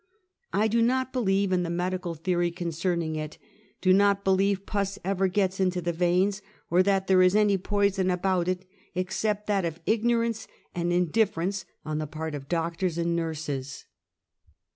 I do not believe in the medical theory concerning it; do not believe pus ever gets in to the veins, or tliat there is any poison about it, ex cept that of ignorance and indifference on the part of doctors and nurses.